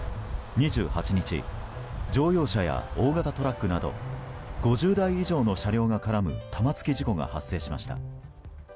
２８日乗用車や大型トラックなど５０台以上の車両が絡む玉突き事故が発生しました。